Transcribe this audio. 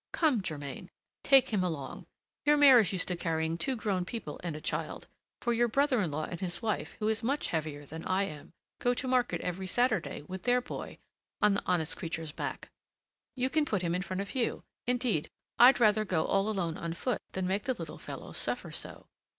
Come, Germain, take him along. Your mare is used to carrying two grown people and a child, for your brother in law and his wife, who is much heavier than I am, go to market every Saturday, with their boy, on the honest creature's back. You can put him up in front of you; indeed, I'd rather go all alone on foot than make the little fellow suffer so."